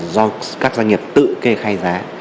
do các doanh nghiệp tự kê khai giá